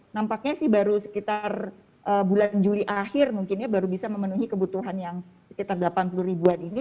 nampaknya sih baru sekitar bulan juli akhir mungkinnya baru bisa memenuhi kebutuhan yang sekitar delapan puluh ribuan ini